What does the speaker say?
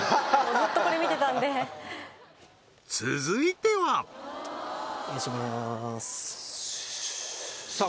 ずっとこれ見てたんで続いてはお願いしまーすさあ